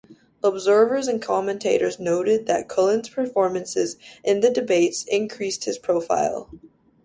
Observers and commentators noted that Cullen's performances in the debates increased his profile.